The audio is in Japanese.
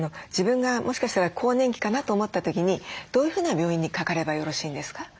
自分がもしかしたら更年期かなと思った時にどういうふうな病院にかかればよろしいんですか？